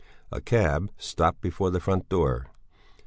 A cab stopped before the front door.